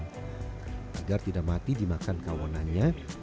agar tidak menggigit makanan mereka mereka akan menggigit tukik lainnya karena dikira makanan